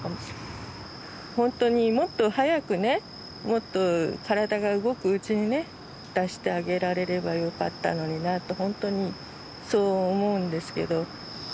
ほんとにもっと早くねもっと体が動くうちにね出してあげられればよかったのになってほんとにそう思うんですけど。